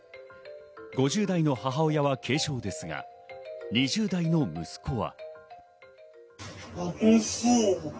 ５０代の母親は軽症ですが、２０代の息子は。